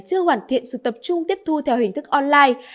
chưa hoàn thiện sự tập trung tiếp thu theo hình thức online